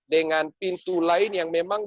dengan pintu lain yang memang